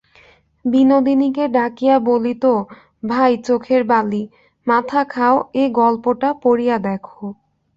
বিনোদিনীকে ডাকিয়া বলিত, ভাই চোখের বালি, মাথা খাও, এ গল্পটা পড়িয়া দেখো।